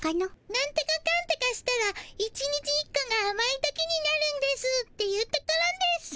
なんとかかんとかしたら１日１個があまい時になるんですっていうところですぅ。